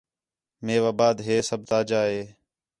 میوا بعد ہے سب تاہجا ہِے